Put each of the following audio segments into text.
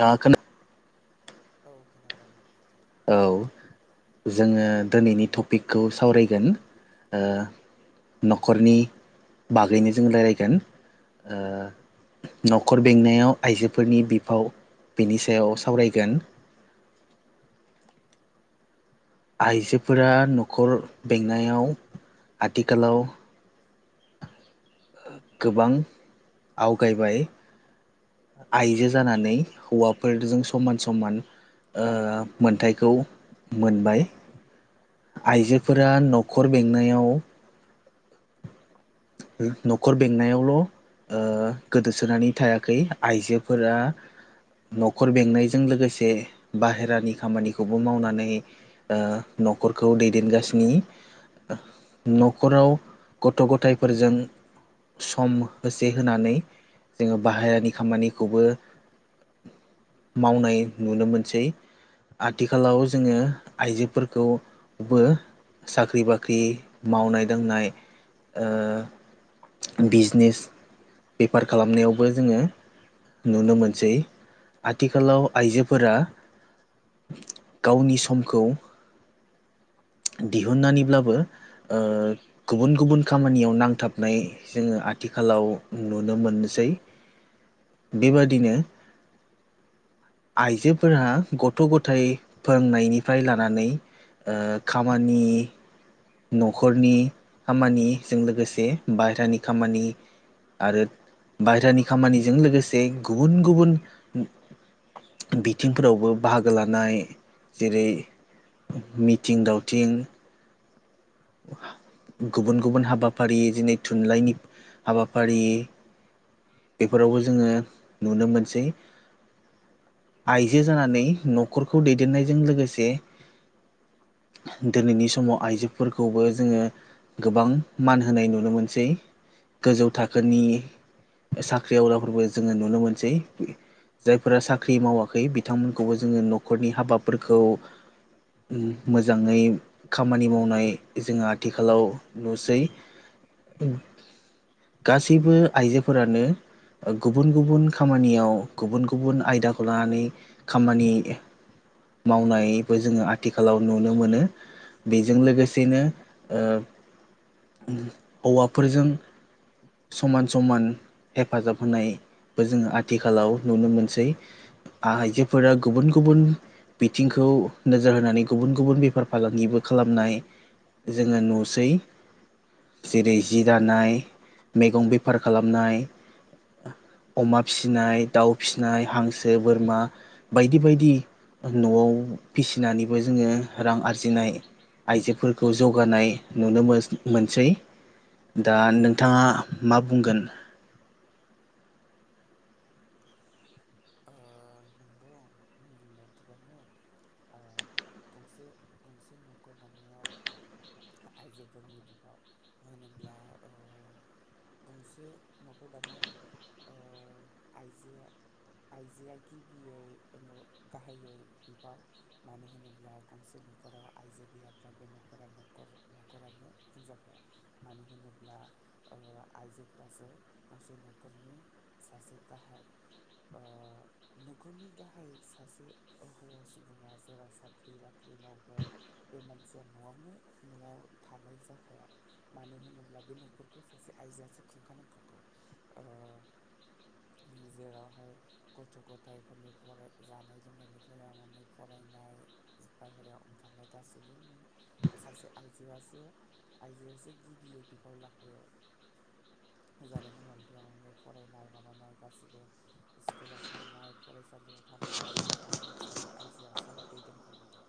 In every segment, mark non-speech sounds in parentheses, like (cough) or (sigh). दाख औ खोनादों औ जोङो दिनैनि टपिकखौ सावरायगोन न'खरनि बागैनो जों रायलायगोन न'खर बेंनायाव आइजोफोरनि बिफाव बिनि सायाव सावरायगोन (unintelligible) आइजोफोरा न'खर बेंनायाव आथिखालाव गोबां आवगायबाय आइजो जानानै हौवाफोरजों समान समान मोनथायखौ मोनबाय आइजोफोरा न'खर बेंनायाव न'खर बेंनायावल' गोदोसोनानै थायाखै आइजोफोरा न'खर बेंनायजों लोगोसे बाहेरानि खामानिखौबो मावनानै न'खखौ दैदेनगासिनो न'खराव गथ' गथाय फोरजों सम होसे होनानै जोङो बाहेरानि खामानिखौबो मावनाय नुनो मोनसै आथिखालाव जोङो आइजोफोरखौबो साख्रि बाख्रि मावनाय दांनाय ओ बिजनेस बेफार खालामनायावबो जोङो नुनो मोनसै आथिखालाव आइजोफोरा गावनि समखौ दिहुननानैब्लाबो ओ गुबुन गुबुन खामानियाव नांथाबनाय जोङो आथिखालाव नुनो मोननोसै बेबादिनो आइजोफोरा गथ' गथाय फोरोंनायनिफ्राय लानानै ओ खामानि न'खरनि खामानिजों लोगोसे बाहेरानि खामानि आरो बायेरानि खामानिजों लोगोसे गुबुन गुबुन बिथिंफोरावबो बाहागो लानाय जेरै मिथिं दावथिं गुबुन गुबुन हाबाफारि दिनै थुनलाइनि हाबाफारि बेफोरावबो जोङो नुनो मोनसै। आइजो जानानै न'खरखौ दैदेननायजों लोगोसे दिनैनि समाव आइजो फोरखौबो जोङो गोबां मान होनाय नुनो मोनसै। गोजौ थाखोनि साख्रि आवलाबो जोङो नुनो मोनसै। जायफोरा साख्रि मावाखै बिथांमोनखौबो जोङो न'खरनि हाबाफोरखौ मोजाङै खामानि मावनाय जों आथिखालाव नुसै गासैबो आइजोफोरानो गुबुन गुबुन खामानियाव गुबुन गुबुन आयदाखौ लानानै खामानि मावनायबो जोङो आथिखालाव नुनो मोनो बेजों लोगो सेनो ओ हौवाफोरजों समान समान हेफाजाब होनाय बो जोङो आथिखालाव नुनो मोनसै आइजोफोरा गुबुन गुबुन बिथिंखौ नोजोर होनानै गुबुन गुबुन बेफार फालांगिबो खालामनाय जोङो नुसै जेरै जि दानाय मैगं बेफार खालामनाय अमा फिसिनाय दाउ फिसिनाय हांसो, बोरमा बायदि बायदि न'वाव फिसिनानैबो जोङो रां आरजिनाय आइजोफोर खौ जौगानाय नुनो मोन मोनसै दा नोंथाङा मा बुंगोन? मे (unintelligible) थिगानो गंसे गंसे न'खर दानायाव (inaudible) आइजोफोरनि बिफाव होनोब्ला ओ गंसे न'खर दानायाव ओ आइजोआ आइजोआ गिबियै गाहायै बिबाव मानो होनोब्ला गंसे न'खराव आइजो गैयाब्ला बे न'खरा न'ख रानो बुंजा खाया मानो होनोब्ला ओ आइजोफोरासो गंसे नखरनि सासे गाहाय सासे ओ नखरनि गाहाय सासे हौवा सुबुङा जेराव साख्रि बाख्रि मावगोन बे मानसिया न'वावनो न'वाव थानाय जाखाया मानो होनोब्ला बे न'खरखौ सासे आइजोआसो खुंखानांखागौ। जेरावहाय गथ' गथायाइफोरनि फराय जानाय लोंनायनिफ्राय लानानै फरायनाय बायेरायाव ओंखारनाय गासैबो सासे आइजोआसो आइजोआसो गिबियै बिबाव लाखायो। (unintelligible) जानाय लोंनायनि लानानै फरायनाय माबानाय गासिबो स्कुलाव थांनाय फरायसालियाव थांनाय नों सासे आइजोआसो दैदेनखानांगौ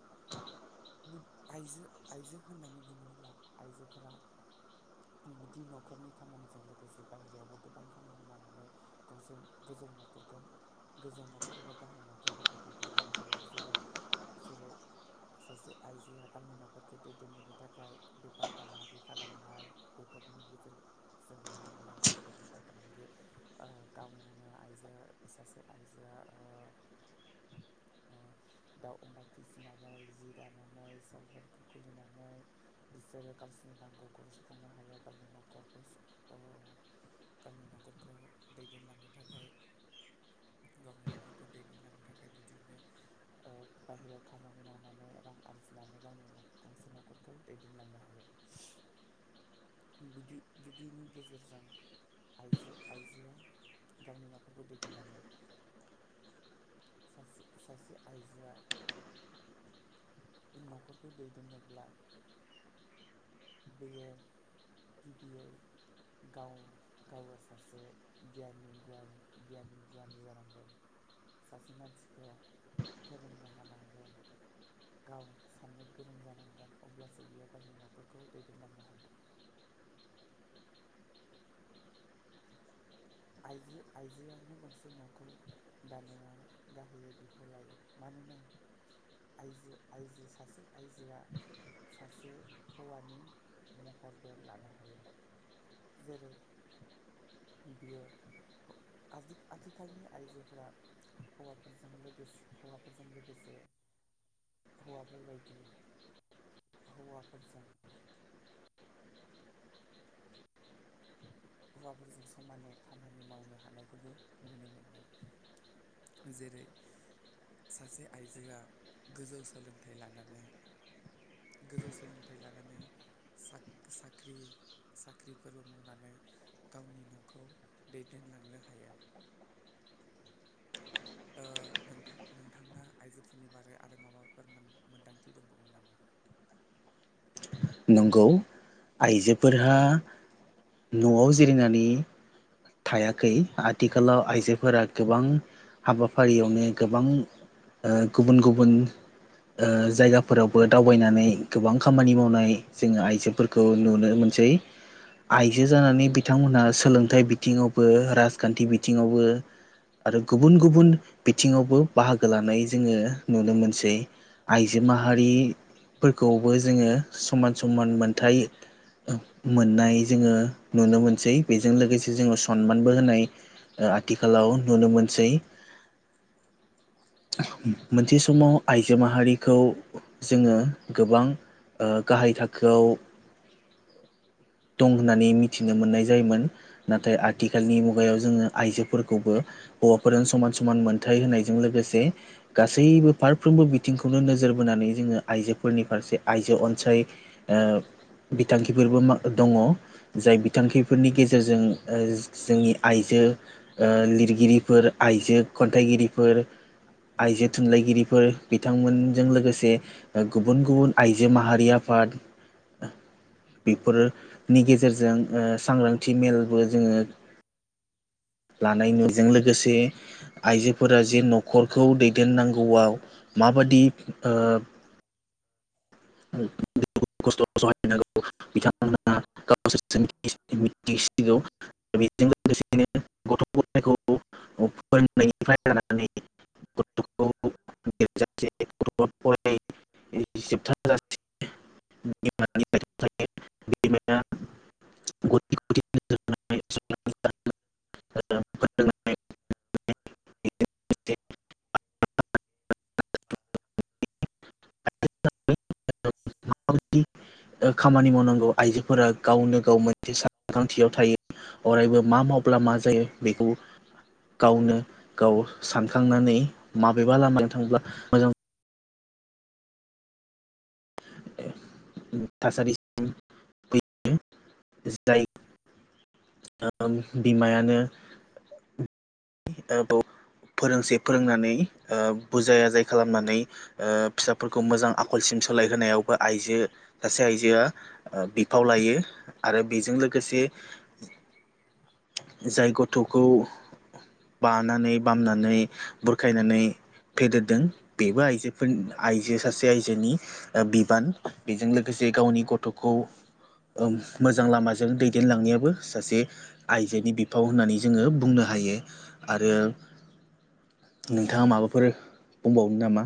आइजो आइजो होननानै बुङोब्ला आइजोफोरा बिदि न'खरनि खामानिजों लोगोसे बायेरायावबो गोबां खामानि मावनानै गंसे ौ न'खखौ गोजौ न'खर एबा गाहाय न'खरफोरखौ दैदेनलांनो हायो जेरै जेरै सासे आइजोआ गावनि न'खरखौ दैदेनलांनो थाखाय बेफार फालांगि खालामनाय बेफोर नि गेजेर जों नुनो मोनो जेरै बेफार फालांगि गावनो आइजो सासे आइजोआ ओ (unintelligible) दाउ अमा फिसिनानै जि दानानै सेल्फ हेल्प ग्रुप खुलिनानै बिसोरो गाव नि नांगौखौ सुफुंनो हाया गावनि न'खरखौ गावनि न'खरखौ दैदेनलांनो थाखाय गावनि न'खरखौ दैदेनलांनो थाखाय बिदिनो ओ (unintelligible) बाहेरायाव खामानि मावनानै रां आरजिनानै गावनि गंसे न'खरखौ दैदेनलांनो हायो (unintelligible) बिदि बिदिनि गेजेरजों आइजो आइजोआ गावनि न'खरखौ दैदेनलाङो ससे आजो न'खरखौ दैदेननोब्ला बेयो गिबियै गाव गाव सासे गिनि ग गियानि गुवनि जानांगोन सासे मानसिखौ फोरोंनो हानांगोन गाव साननो गोरों जानांगोन अब्लासो बियो गावनि न'खरखौ दैदेनलांनो हागोन (inaudible) आइजो आइजोआनो गंसे न'खर दानायाव गाहायै बिफाव लायो मानोन (unintelligible) (unintelligible) आइजो आइजो सासे आइजोआ सासे हौवानि महरबो लानो हायो जेरै बियो (unintelligible) आज आजिखाालनि आइजोफोरा हौवाफोरजों लोगोसे हौवाफोरजों लोगोसे हौवाफोरबायदि हौवाफोरजों हौवाफोरजों समानै खामानि मावनो हानायखौबो नुनो मोनबाय जेरै सासे आइजोआ गोजौ सोलोंथाइ लानानै गोजौ सोलोंथाइ लानानै स साख्रि साख्रिफोरबो मावनानै गावनि न'खौ दैदेनलांनो हायो (unintelligible) आ ोंथां नोंथाङा आइजोफोरनि बारै आरो माबाफोर मोन्दांथि दंबावो नामा (unintelligible) नंगौ आइजोफोरहा न'आव जिरिरिनानै थायाखै आथिखालाव आइजोफोरा गोबां हाबाफारियावनो गोबां गुबुन गुबुन जायगाफोरावबो दावबायनानै गोबां खामानि मावनाय जोङो आइजोफोरखौ नुनो मोनो आइजो जानानै बिथांमोनहा सोलोंथाइ बिथिङावबो राजखान्थि बिथिङावबो आरो गुबुन गुबुन बिथिङावबो बाहागो लानाय जोङो नुनो मोनसै आइजो माहारिफोरखौबो जोङो समान समान मोनथाय मोननाय जोङो नुनो मोनसै बेजों लोगोसे जोो सनमानबो होनाय आथिखालाव नुनो मोनसै (unintelligible) मोनसे समाव आइजो माहारिखौ जोङो गोबां गाहाय थाखोआव दं होननानै मिथिनो मोननाय जायोमोन नाथाय आथिखालनि मुगायाव जोङो आइजोफोरखौबो हौवाफोरजों समान समान मोनथाय होनायजों लोगोसे गासैबो फारफ्रोमबो बिथिंखौनो नोजोर बोनानै जोङो आइजोफोरनि फारसे आइजो अनसाय फथाय बिथांखिफोरबो दङ जाय बिथांखिफोरनि गेजेरजों जोंनि आइजो लिरगिरिफोर आइजो खन्थाइगिरिफोर आइजो थुनलाइगिरिफोर बिथांमोनजों लोगोसे गुबुन गुबुन आइजो माहारियाफोर आबाद बेफोरनि गेजेरजों ओ सांग्रांथि मेल बो जोङो लानाय नुजों लोगोसे आइजोफोरा जे न'खरखौ दैदेननांगौआव माबादि स्थ'हाय बिथां गावसोर मिथिसिगौ बेजों लोगोसेनो गथ' गथायखौ फोरोंनायनिफ्राय लानानै ासेथ म (unintelligible) (unintelligible) द (inaudible) खामानि मावनांगौ आइजोफोरा गावनो गाव मोनसे सानखांथियाव थायो अरायबो मा मावब्ला मा जायो बेखौ गावनो गाव सानखांनानै माबेबा लामाजों थांब्ला मोजां थासारि (unintelligible) जाय ओ बिमायानो (unintelligible) फोरोंसे फोरोंनानै बुजाय आजाय खालामनानै ओ फिसाफोरखौ मोजां आखलसिम सोलाय होनायावबो आइजो सासे आइजोआ बिफाव लायो आरो बेजों लोगोसे जाय गथ'खौ बानानै बामनानै बुरखायनानै फेदेरदों बेबो आइजोफोर आइजो सासे आइजोनि बिबान बेजों लोगोसे जे गावनि गथ'खौ ओ मोजां लामाजों दैदेनलांनायाबो सासे आइजोनि बिफाव होननानै जोङो बुंनो हायो हायो आरो नोंथाङा माबाफोर बुंबावनो नामा?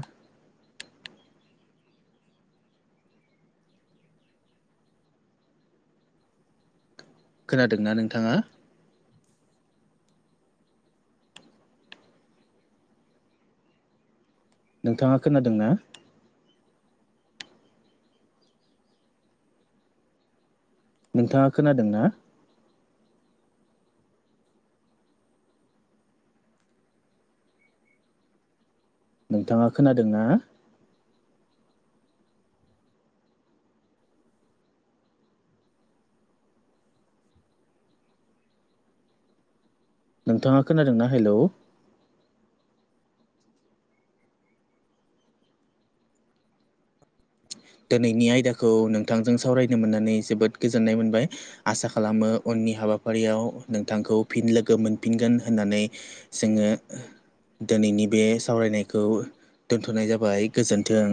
खोनादोंना नोंथाङा? नोंथाङा खोनादों ना? नोंथाङा खोनादों ना? नोंथाङा खोनादों ना? नोंथाङा खोनादोंना हेलौ दिनैनि आयदाखौ नोंथांजों सावरायनो मोननानै जोबोद गोजोननाय मोनबाय आसा खालामो उननि हाबाफारियाव नोंथांखौ फिन लोगो मोनफिनगोन होननानै जोङो दिनैनि बे सावरायनायखौ दोन्थ'नाय जाबाय गोजोन्थों